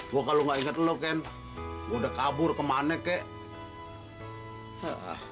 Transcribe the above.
gue kalau gak inget lo ken udah kabur kemana kek